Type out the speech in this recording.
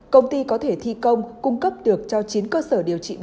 công ty có thể thi công cung cấp được cho chín cơ sở điều trị bệnh